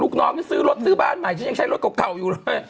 น้องฉันซื้อรถซื้อบ้านใหม่ฉันยังใช้รถเก่าอยู่เลย